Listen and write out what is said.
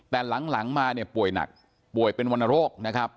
แต่หลังมาเนี่ยป่วยหนักป่วยเป็นวรรณโรคนะครับ